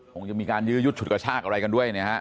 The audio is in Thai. คงจะมีการยื้อยุดฉุดกระชากอะไรกันด้วยนะฮะ